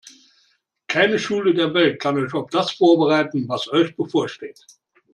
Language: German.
Keine Schule der Welt kann euch auf das vorbereiten, was euch bevorsteht.